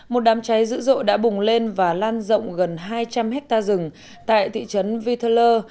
một đám cháy dữ dội đã bùng lên và lan rộng gần hai trăm linh hectare rừng tại thị trấn vytherler